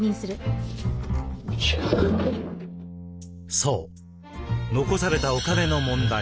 そう残されたお金の問題。